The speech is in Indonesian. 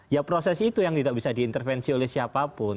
ya proses itu yang tidak bisa diintervensi oleh siapapun